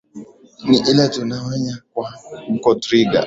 ni ile tunaonya kwa kimombo trigger